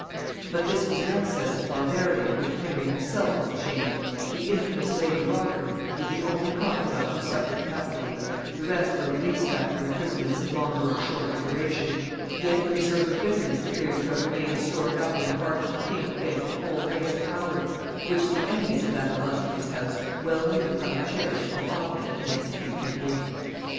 But this was an excess of barbarity of which Henry himself was ashamed: the infamous lady Rochford was the only confident who suffered capitally; the rest were released after imprisonments of longer or shorter duration; yet a reserve of bitterness appears to have remained stored up in the heart of the king against the whole race of Howard, which the enemies of that illustrious house well knew how to cherish and augment against a future day.